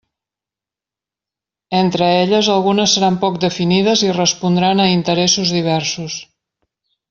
Entre elles, algunes seran poc definides i respondran a interessos diversos.